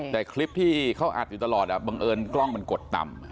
แต่คลิปที่เขาอัดอยู่ตลอดบังเอิญกล้องมันกดต่ำ